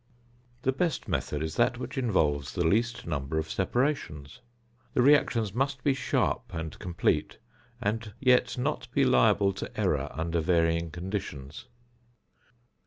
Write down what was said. The best method is that which involves the least number of separations. The reactions must be sharp and complete, and yet not be liable to error under varying conditions.